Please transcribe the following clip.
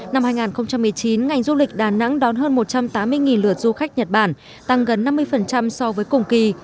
năm hai nghìn một mươi chín ngành du lịch đà nẵng đón hơn một trăm tám mươi lượt du khách nhật bản tăng gần năm mươi so với cùng kỳ